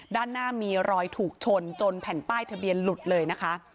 ด้านหน้ามีรอยถูกชนจนแผ่นป้ายทะเบียนหลุดเลยนะคะ